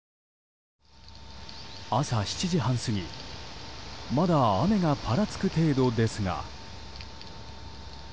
朝７時半過ぎまだ雨がぱらつく程度ですが。